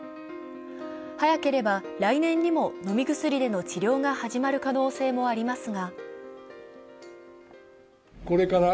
早ければ、来年にも飲み薬での治療が始まる可能性がありますが。